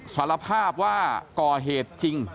สารภาพว่าก่อเหตุจริง